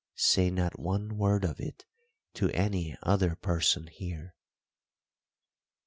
Say not one word of it to any other person here."